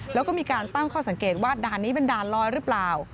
แล้วก็มีการตั้งข้อสังเกตว่าด่านนี้เป็นด่านลอยหรือเปล่า